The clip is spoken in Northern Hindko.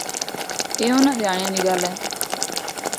اے اُنھان دیہاڑیاں دی گل اے۔